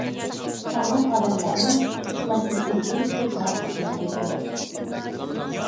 ساغلام ئادەملەرمۇ ئۇخلاشتىن ئىلگىرى كۆپ ھاراق ئىچمەسلىكى كېرەك.